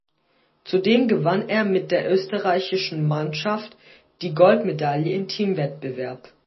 Zudem gewann er mit der österreichischen Mannschaft die Goldmedaille im Teamwettbewerb.